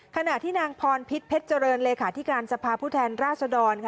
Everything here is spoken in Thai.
ขณะที่นางพรพิษเพชรเจริญเลขาธิการสภาพผู้แทนราชดร